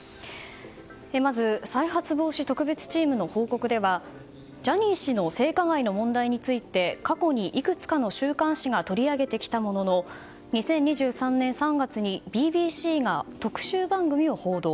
まず、再発防止特別チームの報告ではジャニー氏の性加害の問題について過去にいくつかの週刊誌が取り上げてきたものの２０２３年３月にＢＢＣが特集番組を報道。